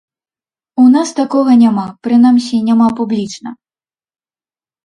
У нас такога няма, прынамсі няма публічна.